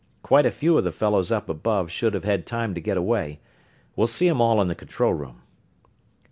Quite a few of the fellows up above should have had time to get away we'll see 'em all in the control room."